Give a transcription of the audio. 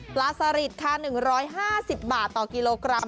สลิดค่ะ๑๕๐บาทต่อกิโลกรัม